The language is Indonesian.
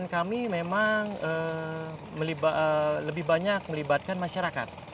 kami memang lebih banyak melibatkan masyarakat